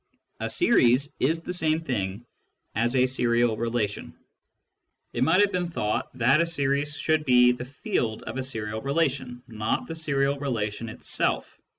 A series is the same thing as a serial relation. It might have been thought that a series should be the field. of a serial relation, not the serial relation itself.